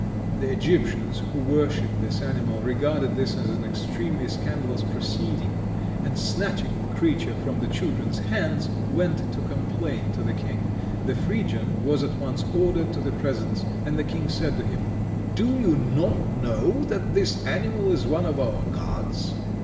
The Egyptians, who worship this animal, regarded this as an extremely scandalous proceeding, and snatching the creature from the children's hands, went to complain to the king. The Phrygian was at once ordered to the presence, and the king said to him, "Do you not know that this animal is one of our gods?